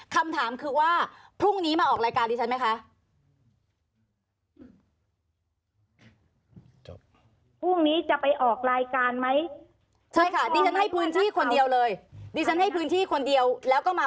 คำถามคือว่าพรุ่งนี้มาออกรายการดิฉันไหมคะ